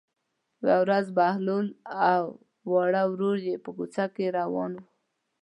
یوه ورځ بهلول او وړه لور یې په کوڅه کې روان وو.